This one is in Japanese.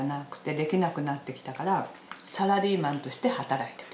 できなくなってきたからサラリーマンとして働いてる。